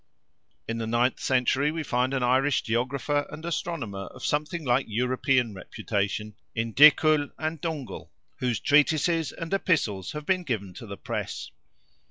In the ninth century we find an Irish geographer and astronomer of something like European reputation in Dicuil and Dungal, whose treatises and epistles have been given to the press.